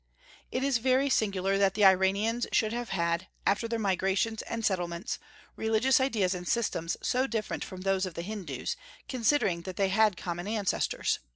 It is very singular that the Iranians should have had, after their migrations and settlements, religious ideas and systems so different from those of the Hindus, considering that they had common ancestors.